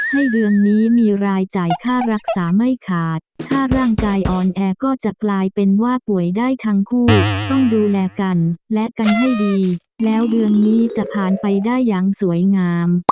เดือนนี้มีรายจ่ายค่ารักษาไม่ขาดถ้าร่างกายอ่อนแอก็จะกลายเป็นว่าป่วยได้ทั้งคู่ต้องดูแลกันและกันให้ดีแล้วเดือนนี้จะผ่านไปได้อย่างสวยงาม